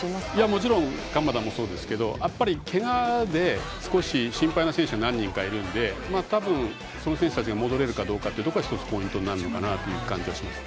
もちろん鎌田もそうですけどけがで少し心配な選手が何人かいるので多分、その選手たちが戻れるかどうかが１つポイントになるのかなという感じがします。